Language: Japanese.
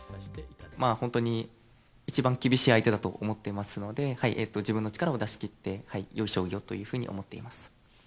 本当に一番厳しい相手だと思っていますので、自分の力を出し切って、よい将棋をというふうに思っています。